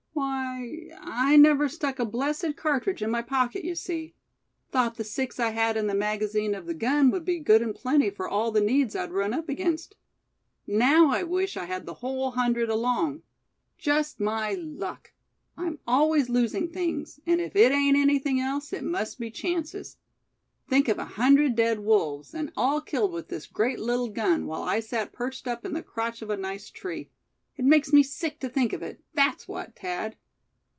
"Why, I never stuck a blessed cartridge in my pocket, you see. Thought the six I had in the magazine of the gun would be good and plenty for all the needs I'd run up against. Now I wish I had the whole hundred along. Just my luck. I'm always losing things, and if it ain't anything else, it must be chances. Think of a hundred dead wolves, and all killed with this great little gun while I sat perched up in the crotch of a nice tree! It makes me sick to think of it, that's what, Thad."